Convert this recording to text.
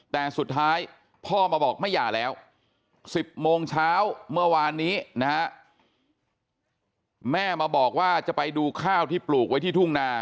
แต่สุดท้ายพ่อมาบอกไม่หย่าแล้ว๑๐โมงเช้าเมื่อวานนี้นะฮะแม่มาบอกว่าจะไปดูข้าวที่ปลูกไว้ที่ทุ่งนา